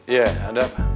iya ada apa